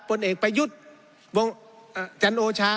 ผลเอกประยุทธ์วงจันโอชา